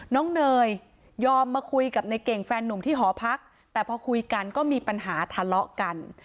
เนยยอมมาคุยกับในเก่งแฟนนุ่มที่หอพักแต่พอคุยกันก็มีปัญหาทะเลาะกัน